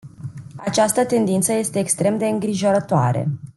Această tendință este extrem de îngrijorătoare.